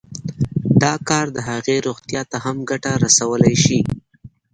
دا کار د هغې روغتيا ته هم ګټه رسولی شي